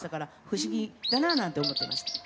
不思議だなあなんて思ってました。